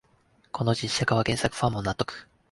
この実写化は原作ファンも納得